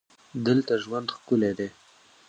دلته ژوند ښکلی دی.